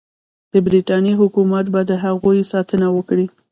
د برټانیې حکومت به د هغوی ساتنه وکړي.